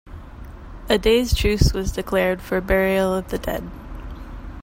A day's truce was declared for burial of the dead.